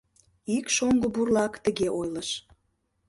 Ик шоҥго бурлак тыге ойлыш: